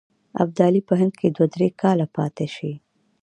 ابدالي په هند کې دوه درې کاله پاته شي.